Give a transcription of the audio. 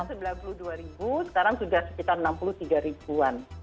sembilan puluh dua ribu sekarang sudah sekitar enam puluh tiga ribuan